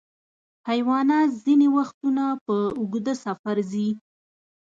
حیوانات ځینې وختونه په اوږده سفر ځي.